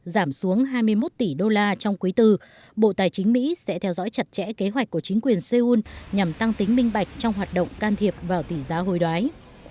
giảm xuống hai mươi một tỷ đô la trong quý iv bộ tài chính mỹ sẽ theo dõi chặt chẽ kế hoạch của chính quyền seoul nhằm tăng tính minh bạch trong hoạt động can thiệp vào tỷ giá hồi đoái